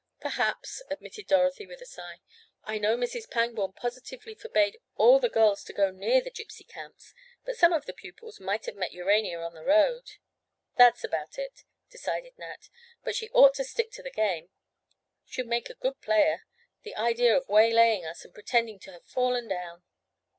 "Perhaps," admitted Dorothy with a sigh. "I know Mrs. Pangborn positively forbade all the girls to go near the Gypsy camps, but some of the pupils might have met Urania on the road." "That's about it," decided Nat. "But she ought to stick to the game. She'd make a good player. The idea of waylaying us and pretending to have fallen down."